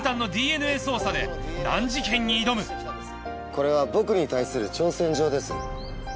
これは僕に対する挑戦状です。